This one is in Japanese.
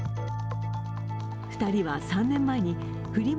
２人は３年前にフリマ